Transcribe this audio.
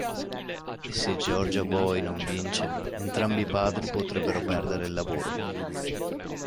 E se "Georgia Boy" non vince, entrambi i padri potrebbero perdere il lavoro.